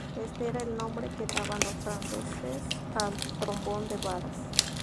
Este era el nombre que daban los franceses al trombón de varas.